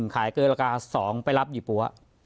ขายเกินราคา๒ไปรับหยี่ปั๊ว